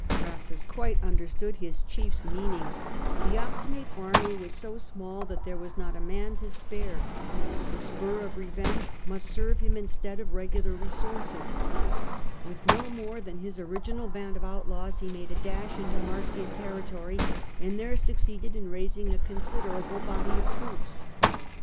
Crassus quite understood his chiefs meaning ; the Optimate army was so small that there was not a man to spare : the spur of revenge must serve him instead of regular resources. With no more than his CHAEACTER OF CRASSUS 167 original band of outlaws, he mad© a dash into the Marsian territory, and there succeeded in raising a con siderable body of troops.